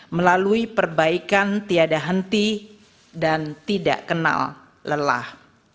melalui perbaikan tiada henti dan tidak kenal lelah